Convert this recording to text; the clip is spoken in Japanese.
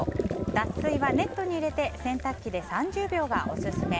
脱水は、ネットに入れて洗濯機で３０秒がオススメ。